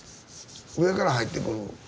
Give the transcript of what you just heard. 上から入ってくる光だけ。